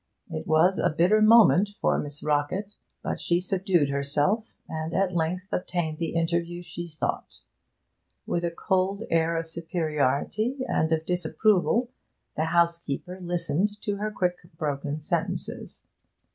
It was a bitter moment for Miss Rockett, but she subdued herself, and at length obtained the interview she sought. With a cold air of superiority and of disapproval the housekeeper listened to her quick, broken sentences.